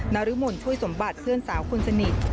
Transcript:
นรมนช่วยสมบัติเพื่อนสาวคนสนิท